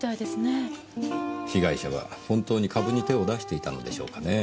被害者は本当に株に手を出していたのでしょうかねぇ。